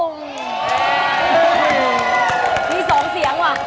มี๒เสียงว่ะ